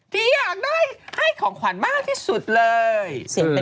ที่อยากได้ให้ของขวัญมากที่สุดเลย